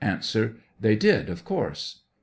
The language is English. They did, of course. Q.